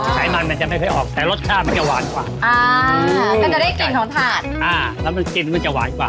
ถ่ายมันมันจะไม่เคยออกแต่รสชาติมันจะหวานกว่า